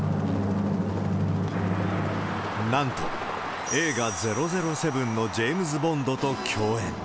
なんと、映画、００７のジェームズ・ボンドと共演。